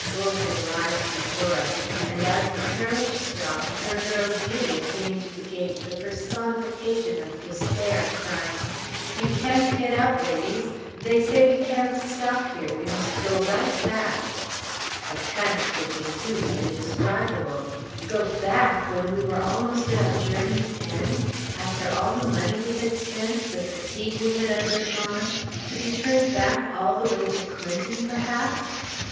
Bull had arrived before us; and as the carriage stopped, her girl Delia came to the gate the personification of despair, crying, "You can't get out, ladies. They say we can't stop here; we must go right back." The panic which ensued is indescribable. Go back when we were almost at our journey's end, after all the money we had spent, the fatigue we had undergone, to be turned back all the way to Clinton, perhaps!